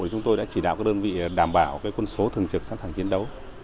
chúng tôi đã chỉ đạo các đơn vị đảm bảo quân số thường trực sẵn sàng chiến đấu